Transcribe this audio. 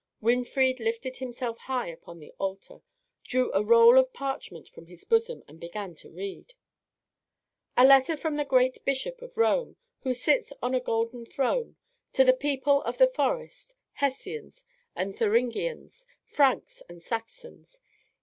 Winfried lifted himself high upon the altar, drew a roll of parchment from his bosom, and began to read. "A letter from the great Bishop of Rome, who sits on a golden throne, to the people of the forest, Hessians and Thuringians, Franks and Saxons.